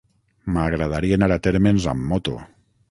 M'agradaria anar a Térmens amb moto.